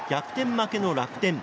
負けの楽天。